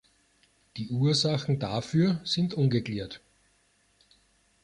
Die Ursachen dafür sind ungeklärt.